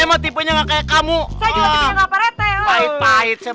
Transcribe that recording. masak gak ya